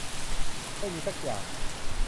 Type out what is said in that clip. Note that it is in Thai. ไม่มีซักอย่าง